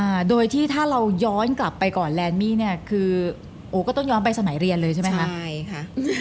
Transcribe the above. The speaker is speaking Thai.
อ่าโดยที่ถ้าเราย้อนกลับไปก่อนแลนดมี่เนี้ยคือโอ้ก็ต้องย้อนไปสมัยเรียนเลยใช่ไหมคะใช่ค่ะ